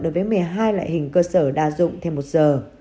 đối với một mươi hai loại hình cơ sở đa dụng thêm một giờ